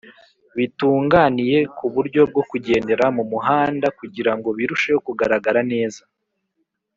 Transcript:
Bitunganiye mu buryo bwo kugendera mu muhanda kugira ngo birusheho kugaragara neza